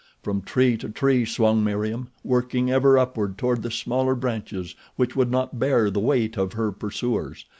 From tree to tree swung Meriem working ever upward toward the smaller branches which would not bear the weight of her pursuers.